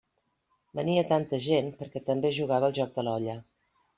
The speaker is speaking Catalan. Venia tanta gent perquè també es jugava al joc de l'olla.